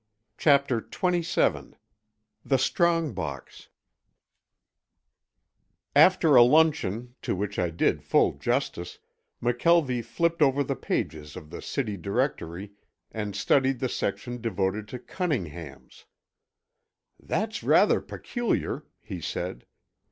CHAPTER XXVII THE STRONG BOX After a luncheon, to which I did full justice, McKelvie flipped over the pages of the city directory and studied the section devoted to Cunninghams. "That's rather peculiar," he said.